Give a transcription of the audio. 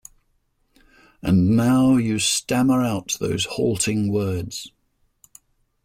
And now you stammer out those halting words.